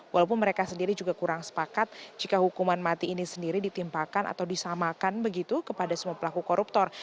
walaupun mereka sendiri juga kurang sepakat jika hukuman mati ini sendiri ditimpakan atau disamakan begitu kepada semua pelaku koruptor